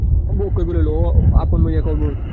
অক্ষয় বলিল, ও বলিয়া আপন কর্মে মন দিল।